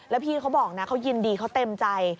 แล้วพี่เขาบอกนะเขายินดีเขาเต็มใจ